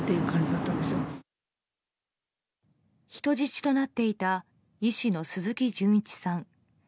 人質となっていた医師の鈴木純一さん。